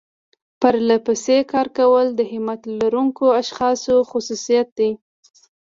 پرلپسې کار کول د همت لرونکو اشخاصو خصوصيت دی.